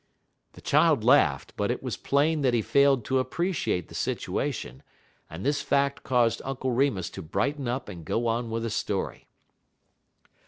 The child laughed, but it was plain that he failed to appreciate the situation, and this fact caused Uncle Remus to brighten up and go on with the story.